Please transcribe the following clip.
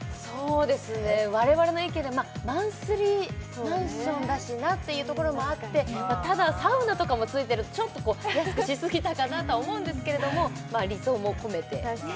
我々の意見で、マンスリーマンションだしなっていうところもあって、ただ、サウナとかもついてて、ちょっと安すぎたかなとも思うんですがまあ、理想も込めて。